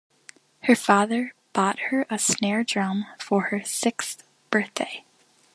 Her father bought her a snare drum for her sixth birthday.